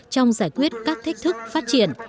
trong giải quyết các thách thức phát triển